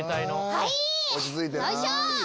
よいしょ！